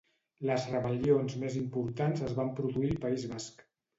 Les rebel·lions més importants es van produir al País Basc.